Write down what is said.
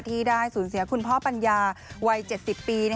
ที่ได้สูญเสียคุณพ่อปัญญาวัย๗๐ปี